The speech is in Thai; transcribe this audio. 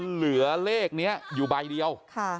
เหลือเลขนี้อยู่ใบเดียว